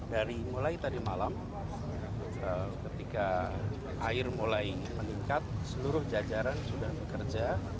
dari mulai tadi malam ketika air mulai meningkat seluruh jajaran sudah bekerja